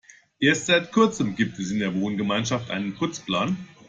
Erst seit kurzem gibt es in der Wohngemeinschaft einen Putzplan.